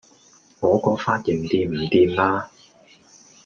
我個髮型掂唔掂呀?